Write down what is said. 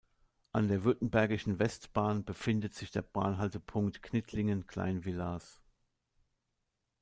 An der württembergischen Westbahn befindet sich der Bahnhaltepunkt "Knittlingen-Kleinvillars".